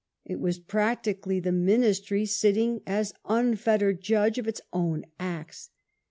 It was practically the ministry sitting as unfettered judge of its own acts.